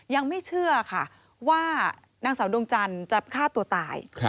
ยังไม่เชื่อค่ะว่านางสาวดวงจันทร์จะฆ่าตัวตาย